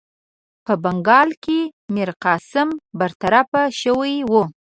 په بنګال کې میرقاسم برطرف شوی وو.